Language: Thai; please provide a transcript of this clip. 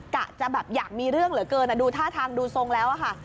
กะจะแบบอยากมีเรื่องเหลือเกินดูท่าทางดูทรงแล้วอะค่ะ